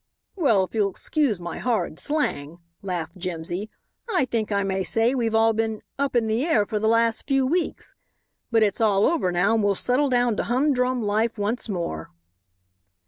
"Well, if you'll excuse my horrid slang," laughed Jimsy, "I think I may say we've all been 'up in the air' for the last few weeks. But it's all over now and we'll settle down to humdrum life once more."